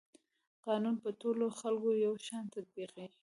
قانون په ټولو خلکو یو شان تطبیقیږي.